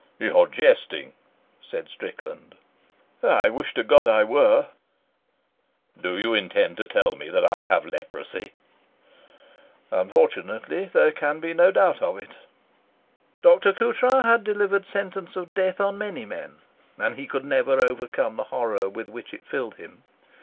"You are jesting," said Strickland. "I wish to God I were." "Do you intend to tell me that I have leprosy?" "Unfortunately, there can be no doubt of it." Dr. Coutras had delivered sentence of death on many men, and he could never overcome the horror with which it filled him.